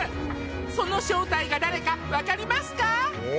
その正体が誰かわかりますか？